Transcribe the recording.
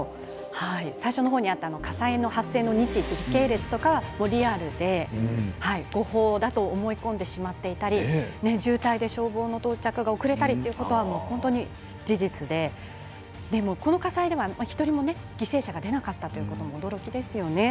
最初の方にあった火災の発生の日時、時系列とかリアルで誤報だと思い込んでしまっていたり渋滞で消防の到着が遅れたりということは本当に事実でこの火災では１人も犠牲者が出なかったということも驚きですよね。